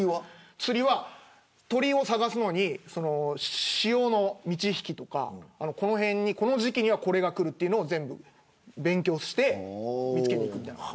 釣りは鳥を探すのに潮の満ち干きとか、この辺にこの時期には、これが来るとか全部勉強して見つけていく。